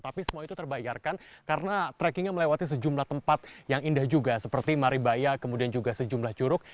tapi semua itu terbayarkan karena trekkingnya melewati sejumlah tempat yang indah juga seperti maribaya kemudian juga sejumlah curug